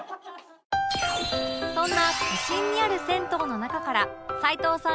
そんな都心にある銭湯の中から齊藤さん